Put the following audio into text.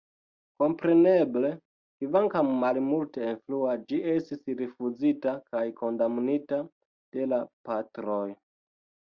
Kompreneble, kvankam malmulte influa, ĝi estis rifuzita kaj kondamnita de la Patroj.